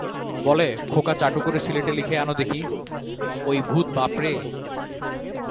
বলে, খোকা চাটু করে সিলেটে লিখে আনো দেখি, ঐঃ ভূত বাপ রে!